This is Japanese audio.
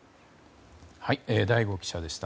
醍醐記者でした。